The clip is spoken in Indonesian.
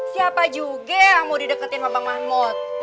siapa juga yang mau dideketin sama bang mahmud